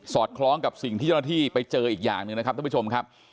คล้องกับสิ่งที่เจ้าหน้าที่ไปเจออีกอย่างหนึ่งนะครับท่านผู้ชมครับ